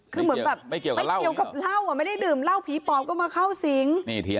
มันก็แบบไม่ต้องมาเลยก็ไม่ได้ดื่มเล่าพี่ปอบก็มาเข้าสิง